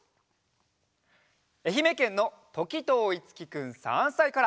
えひめけんのときとういつきくん３さいから。